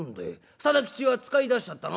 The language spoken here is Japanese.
定吉は使い出しちゃったの？